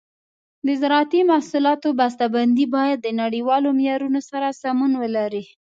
د زراعتي محصولاتو بسته بندي باید د نړیوالو معیارونو سره سمون ولري.